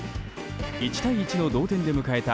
１対１の同点で迎えた